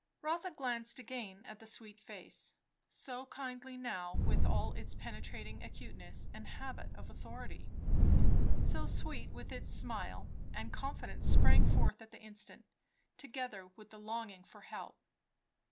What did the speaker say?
Rotha glanced again at the sweet face, so kindly now with all its penetrating acuteness and habit of authority; so sweet with its smile; and confidence sprang forth at the instant, together with the longing for help.